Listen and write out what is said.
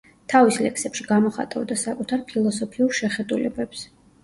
თავის ლექსებში გამოხატავდა საკუთარ ფილოსოფიურ შეხედულებებს.